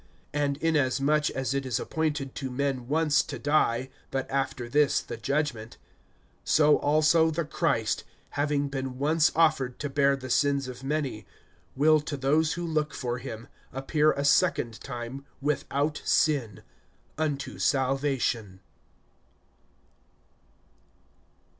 (27)And inasmuch as it is appointed to men once to die, but after this the judgment; (28)so also the Christ, having been once offered to bear the sins of many, will to those who look for him appear a second time without sin, unto salvation.